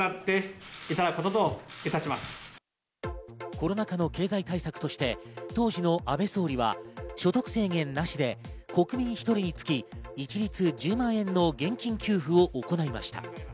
コロナ禍の経済対策として当時の安倍総理は所得制限なしで国民１人につき一律１０万円の現金給付を行いました。